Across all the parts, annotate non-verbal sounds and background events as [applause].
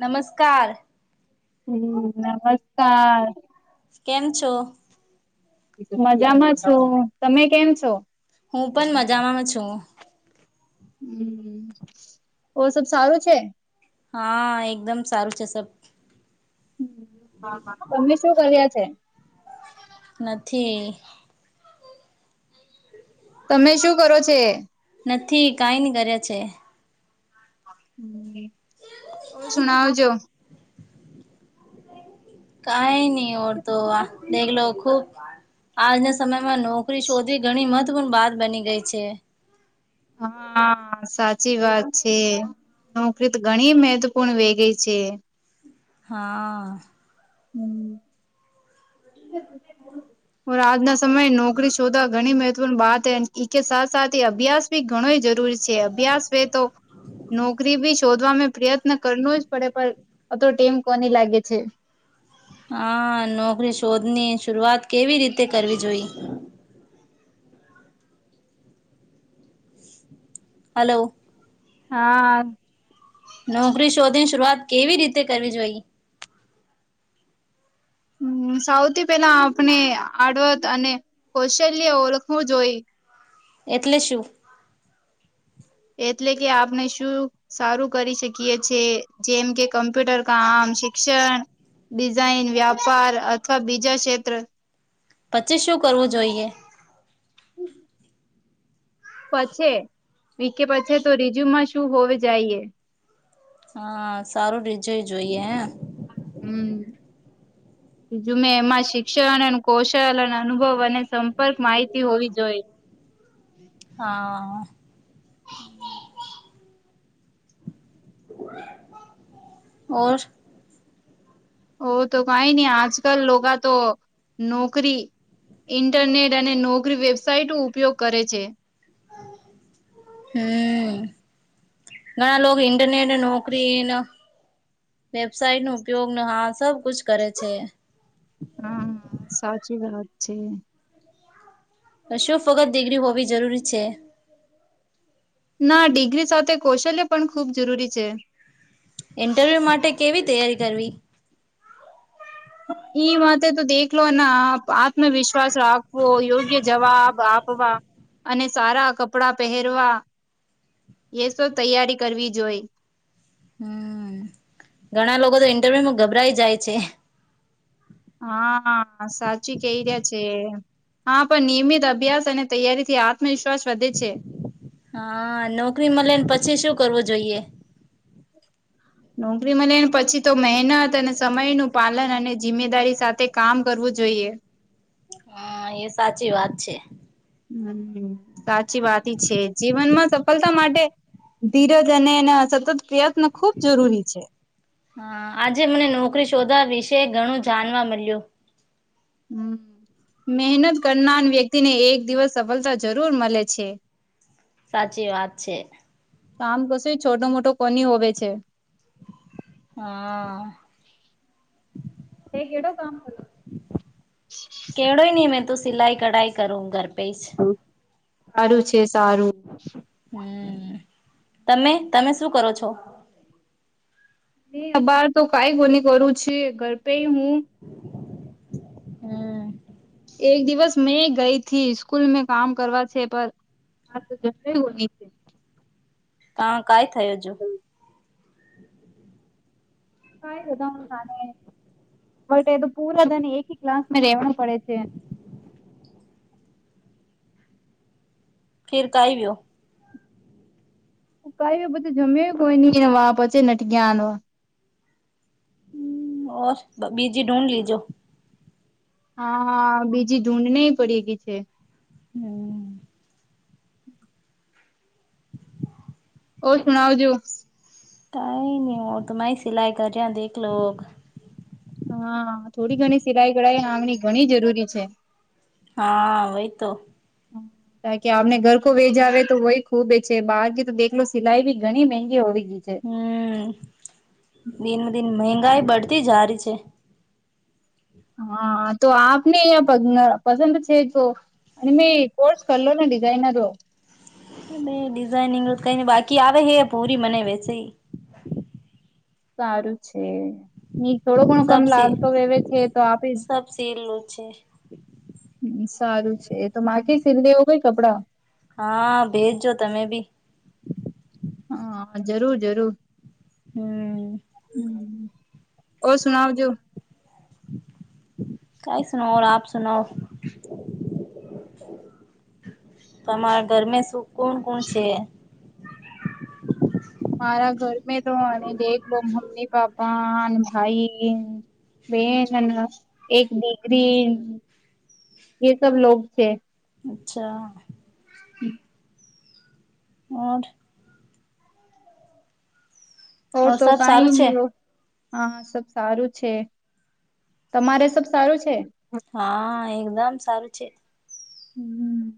નમસ્કાર હમ્મ નમસ્કાર કેમ છો? મજામાં છો તમે કેમ છો? હું પણ મજામાં છું હમ્મ ઓ સબ સારું છે હા એકદમ સારું છે સબ તમે શું કર્યા છે? નથી તમે શું કરો છે? નથી કાઈ ની કરે છે ઓ સુનાઓ જો કાઈ ની ઓર તો દેખલો ખુબ આજના સમયમાં નોકરી શોધવી ઘણી મહત્વપૂર્ણ બાત બની ગઈ છે હા સાચી વાત છે નોકરી ઘણી મહત્વપૂર્ણ વેગઈ છે હા હમ્મ [inaudible] પણ આજના સમયે નોકરી શોધવા ઘણી મહત્વની બાત હ ઈ કે સાથ સાથ એ અભ્યાસ બી ઘણોય જરુ [unintelligible] છે અભ્યાસ વે તો નોકરી બી શોધવામે પ્રયત્ન કરનો જ પડે પણ અ તો ટેમ કોની લાગે છે. હા નોકરી શોધની શરૂઆત કેવી રીતે કરવી જોઈ હાલો. હા. નોકરી શોધી શરુઆત કેવી રીતે કરવી જોઈ હમ. સૌથી પેલા આપણે આડવત અને કૌશલ્ય ઓળખવું જોઈ એટલે શું? એટલે કે આપણે શું સારું કરી શકીએ છે, જેમ કે ક મ્પ્યુટર કામ, શિક્ષણ, ડિઝાઇન, વ્યાપાર અથવા બીજા ક્ષેત્ર પછી શું કરવું જોઈએ હમ પછે વી કે બચે તો રીઝ્યુમમાં શું હોવે જાઈએ. હા સારું રીજય જોઈએ એ હમ. બીજું મેં એમાં શિક્ષણ અને કૌશલ અને અનુભવ અને સંપર્ક માહિતી હોવી જોઈ [unintelligible] હા. [inaudible] ઓર ઓ તો કાઈ ની આજ કલ લોકા તો નોકરી ઇન્ટરનેટ અને નોકરી વેબસાઇટ ઉપયોગ કરે છે. હમ. ઘણા લોક ઇન્ટરનેટ નોકરીન વેબસાઇટનો ઉપયોગને હા સબકુછ કરે છે. હા સાચી વાત છે. શું ફક્ત દિગરી હોવી જરૂરી છે? ના ડિગ્રી સાથે કૌશલ્ય પણ ખૂબ જરૂરી છે. ઇન્ટરવ્યુ માટે કેવી તૈયારી કરવી? ઈ માટે તો દેખલોના આત્મવિશ્વાસ રાખવો યોગ્ય જવાબ આ આપવા અને સારા કપડા પહેરવા એસો તૈયારી કરવી જોઈ હમ ઘણા લોકોતો ઇન્ટરવ્યુમાં ગભરાઈ જાય છે. હા સાચી કહી રહ્યા છે. હા પણ નિયમિત અભ્યાસ અને તૈયારીથી આ હા નોકરી મલેને પછી શું કરવો જોઈએ? નોકરી મલેને પછી તો મહેનત અને સમયનું પાલન અને જિમ્મેદારી સાથે કામ કરવું જોઈએ. હા એ સાચી વાત છે. હમ સાચી વાતી છે, જીવનમાં સફલતા માટે ધીરજ અને એના સ હા આજે મને નોકરી શોધાવીશ તે ઘણું જાનવા મલ્યું હમ. મહેનત કરનાર વ્યક્તિને એક દિવસ સફલતા જરૂર મલે છે. સાચી વાત છે. તો આમ કશું છોટો મોટો કોની હોવે છે. હા. એ કેડો કામ કરું કેવડોય નહી મેં તો સિલાઈ કઢાઈ કરું ઘર પે જ. સારું છે સારું. હમ્મ, તમે તમે શું કરો છો? એ આ બાર તો કઈ ગોલી કરું છે ઘર પે હું હમ્મ. એક દિવસ મેં ગઈ થી સ્કૂલ મે કામ કરવા છે પર આ તો જશ બની છે. તા કાઈ થયોજો. કાય ના બટ એ પૂરા દને એકી ક્લાસ મેવા પડે છે. ફીર કાઈ વ્યો. કઈ બધું જમ્યો કોઈ નઈ એને વા પચે નટગયાનો. બીજી ઢૂંઢ લીજો. હા બીજી ઢૂંઢ ની પડી ગઈ છે. હમ્મ. ઓર સુણવજો. કઈ નહી હું તું સિલાઈ કર્યા દેખલો. હા થોડી ઘણી સિલાઈ ગળાઈ આમણી ઘણી જરૂરી છે. હા વહી તો. હમ્મ. કાર કે આપમને ઘર કો વેજ આવે તો હોય ખુબ છે બાકી તો દેલો સિલાઈ ભી ઘણી મેંગી હોવી. ગઈ છે. હમ્મ, દિનમ દિન મંગાઈ બડતી જારી છે. હા તો આપને પ પસંદ છે તો અને મે કોર્સ કરલો ને ડિઝાઇનરો. ડિઝઇનિંગ કઈ બાકી આવે હે પૂરી મને વેસે. સારું છે થોડો ઘણો કમ સબ સી લાગતો હવે છે તો આપી સબ સીલું છે. સારું છે તો માકી સીલવેવું કે કપડા? હા ભેજજો તમે બી હા જરૂર જરૂર. હમ્મ. ઓર સુનાવ જો. કઈ સુના આપ સુનાઓ. હ તમારા ઘરમે શું કોણ કોણ છે? મારા ઘર મે તો અનેલો, મમ્મી, પાપા, ભાઈ બેન, એક દીકરી એ સબ લોગ છે. અચ્છા. હમ ઓર? હો ઓર તો સબ કઈ સારું છે ની હો. હા સબ સારું છે. તમારે સબ સારું છે? હા એકદમ સારું છે. હમ્મ,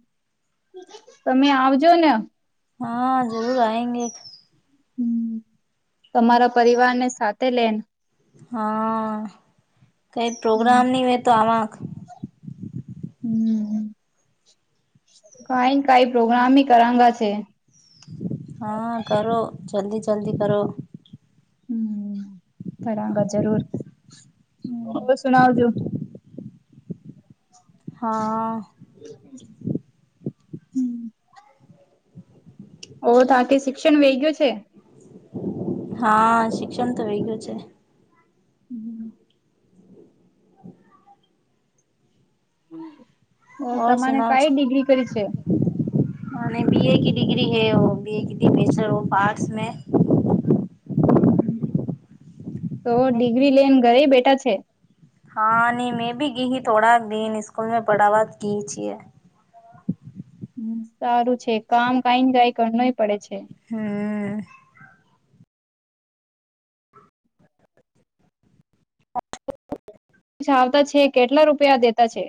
તમે આવજોને. હા, જરૂર આયેંગે. હમ્મ, તમારા પરિવાર ને સાથે લે હા, કઈ પ્રોગ્રામ નહી હો તો આવાક. હમ્મ, કઈ કઈ પ્રોગ્રામી કરાંગા છે. હા કરો જલ્દી જલ્દી કરો. હમ્મ, કરાગા જરૂર. ઓર સુણાવજો. હા. હમ. ઓ તા કે શિક્ષણ વેગ ગયો છે. હા, શિક્ષણ તો વગયું છે. હમ. ઓર, સુનાવ છો? અને બી એ? ડિગ્રી હૈ? બી બેચર ઓફ આર્ટસ મે? તો ડિગ્રી લઈને ઘરે બેઠા છે. હા, નહીં. મેં ભી ગઈ, થોડા દિન સ્કૂલ મે પડાાવા ગઈ છીએ. હ, સારું છે. કામ કંઈ ને કંઈ કર નહીં પડે છે. હા. આવતા છે? કેટલા રૂપિયા દેતા છે?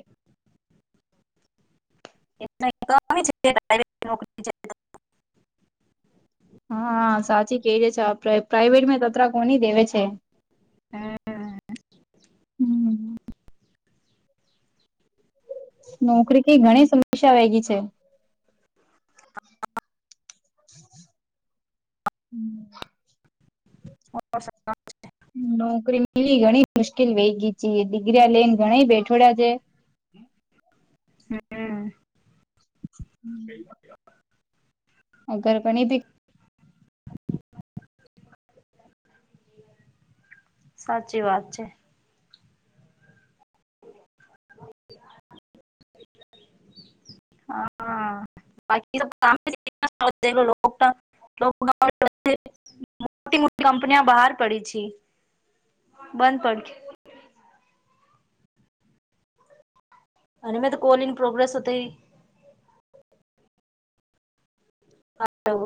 એ મ નોકરી [unintelligible] હા, સાચી કે રે છે. પ્રાઇવેટમાં તતરા કોની દેવે છે? [inaudible] હા. નોકરી ઘણી સમસ્યા વાગી છે. [inaudible] હમ. [unintelligible] નોકરી મેવી ઘણી મુશ્કેલ વહી ગઈ છે. ડિગ્રી લઈને ઘણા બેઠોડ્યા છે. હમ. હમ હ, બ [unintelligible] અગર પણણી દી [inaudible] સાચી વાત છે. એ છે. [unintelligible] હા. બાકી કક [unintelligible] મોટી મોટી કંપનિયા બહાર પડી છે બંધ. અને મે તો કોલ ઇન પ્રોગ્રેસ તો. હા.